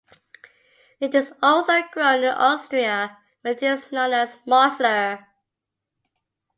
It is also grown in Austria where it is known as "Mosler".